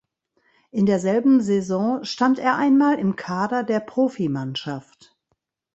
In derselben Saison stand er einmal im Kader der Profimannschaft.